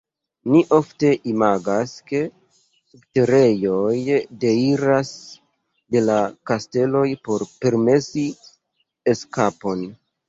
Ni ofte imagas, ke subterejoj deiras de la kasteloj por permesi eskapon.